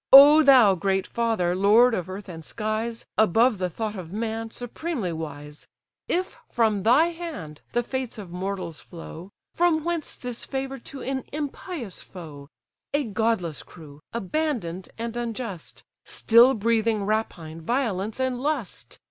O thou, great father! lord of earth and skies, Above the thought of man, supremely wise! If from thy hand the fates of mortals flow, From whence this favour to an impious foe? A godless crew, abandon'd and unjust, Still breathing rapine, violence, and lust?